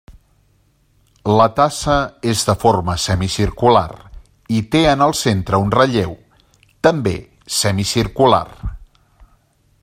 La tassa és de forma semicircular i té en el centre un relleu, també semicircular.